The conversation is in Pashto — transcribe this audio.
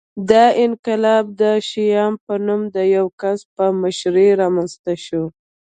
دا انقلاب د شیام په نوم د یوه کس په مشرۍ رامنځته شو